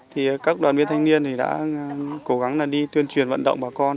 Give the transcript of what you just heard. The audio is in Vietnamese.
thì các đoàn viên thanh niên thì đã cố gắng là đi tuyên truyền vận động bà con